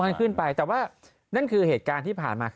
มันขึ้นไปแต่ว่านั่นคือเหตุการณ์ที่ผ่านมา